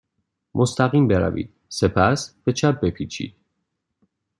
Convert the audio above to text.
مستقیم بروید. سپس به چپ بپیچید.